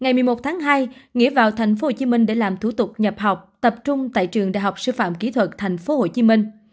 ngày một mươi một tháng hai nghĩa vào thành phố hồ chí minh để làm thủ tục nhập học tập trung tại trường đại học sư phạm kỹ thuật thành phố hồ chí minh